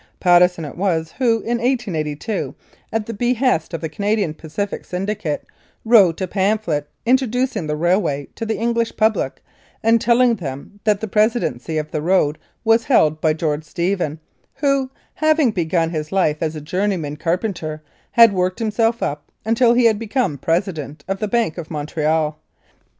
Patteson it was who, in 1882, at the behest of the Canadian Pacific Syndicate, wrote a pamphlet intro ducing the railway to the English public, and telling them that the presidency of the road was held by George Stephen, who, having begun life as a journeyman car penter, had worked himself up until he had become president of the Bank of Montreal.